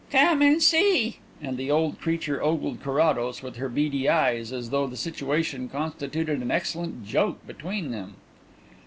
"Come and see!" and the old creature ogled Carrados with her beady eyes as though the situation constituted an excellent joke between them.